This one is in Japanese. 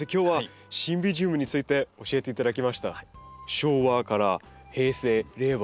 昭和から平成令和